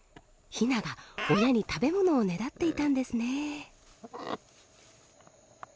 ヒナが親に食べ物をねだっていたんですね。